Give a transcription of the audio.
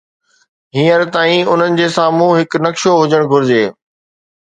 هينئر تائين، انهن جي سامهون هڪ نقشو هجڻ گهرجي.